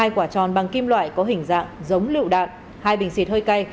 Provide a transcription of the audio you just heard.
hai quả tròn bằng kim loại có hình dạng giống lựu đạn hai bình xịt hơi cay